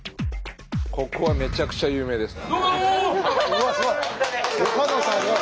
ここはめちゃくちゃ有名です。